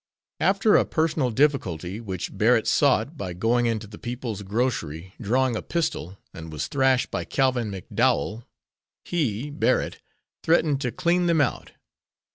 After a personal difficulty which Barrett sought by going into the "People's Grocery" drawing a pistol and was thrashed by Calvin McDowell, he (Barrett) threatened to "clean them out."